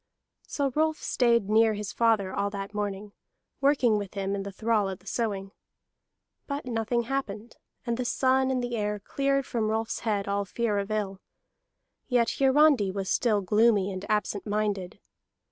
So Rolf stayed near his father all that morning, working with him and the thrall at the sowing. But nothing happened; and the sun and the air cleared from Rolf's head all fear of ill. Yet Hiarandi was still gloomy and absent minded.